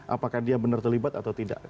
apakah dia benar terlibat atau tidak